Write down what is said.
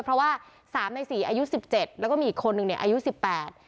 เพราะว่าสามในสี่อายุสิบเจ็ดแล้วก็มีอีกคนนึงเนี่ยอายุสิบแปด